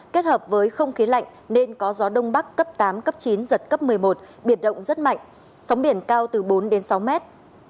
kết hợp với không khí lạnh nên có gió đông bắc cấp tám cấp chín giật cấp một mươi một biển động rất mạnh sóng biển cao từ bốn đến sáu mét